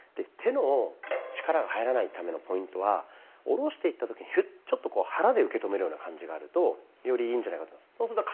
手の力が入らないためのポイントは下ろしていった時にヒュッちょっとこう肚で受け止めるような感じがあるとよりいいんじゃないかと思います。